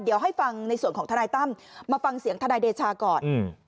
เดี๋ยวให้ฟังในส่วนของทนายตั้มมาฟังเสียงทนายเดชาก่อน